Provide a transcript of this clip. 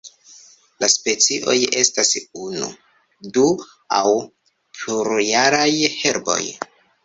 La specioj estas unu, du aŭ plurjaraj herboj.